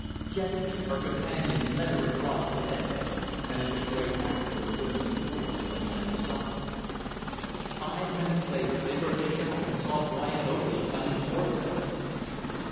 Gently, her companion led her across the ledge, and a little way back from the rim of the gorge on the other side. Five minutes later they heard a shout and saw Brian Oakley coming toward them.